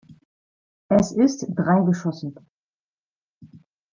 Es ist dreigeschossig.